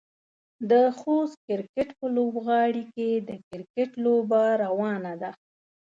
د خوست کرکټ په لوبغالي کې د کرکټ لوبه روانه ده.